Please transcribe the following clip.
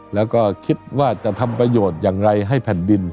แล้วก็คิดว่าจะทำประโยชน์อย่างไรให้แผ่นดิน